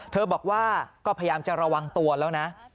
บอกว่าก็พยายามจะระวังตัวแล้วนะ